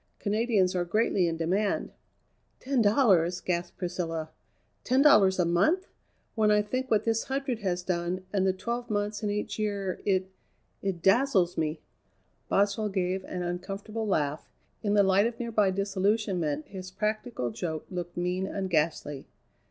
Canadians are greatly in demand." "Ten dollars!" gasped Priscilla, "Ten dollars a month! when I think what this hundred has done, and the twelve months in each year, it it dazzles me!" Boswell gave an uncomfortable laugh. In the light of nearby disillusionment his practical joke looked mean and ghastly.